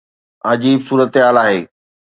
عجيب صورتحال آهي.